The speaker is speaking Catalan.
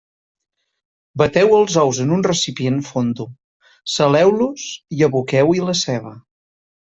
Bateu els ous en un recipient fondo, saleu-los i aboqueu-hi la ceba.